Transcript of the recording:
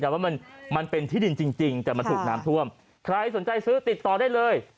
ว่ามันมันเป็นที่ดินจริงแต่มันถูกน้ำท่วมใครสนใจซื้อติดต่อได้เลย